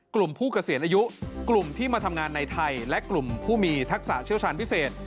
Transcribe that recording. กลุ่มที่มาทำงานในไทยและกลุ่มผู้มีทักษะเชี่ยวชาญพิเศษ